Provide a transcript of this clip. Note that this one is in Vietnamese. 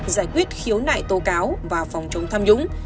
giải quyết khiếu nại tố cáo và phòng chống tham nhũng